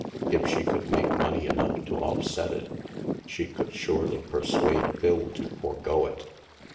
If she could make money enough to offset it, she could surely persuade Phil to forego it.